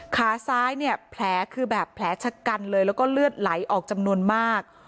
ขาซ้ายเนี่ยแผลคือแบบแผลชะกันเลยแล้วก็เลือดไหลออกจำนวนมาก